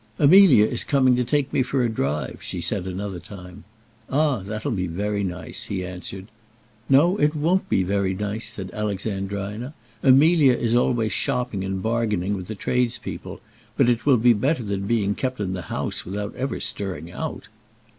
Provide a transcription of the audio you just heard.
"Amelia is coming to take me for a drive," she said another time. "Ah, that'll be very nice," he answered. "No; it won't be very nice," said Alexandrina. "Amelia is always shopping and bargaining with the tradespeople. But it will be better than being kept in the house without ever stirring out."